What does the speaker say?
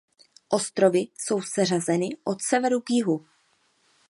Ostrovy jsou seřazeny od severu k jihu.